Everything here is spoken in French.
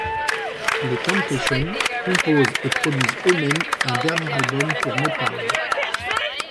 Les Temptations composent et produisent eux-mêmes un dernier album pour Motown.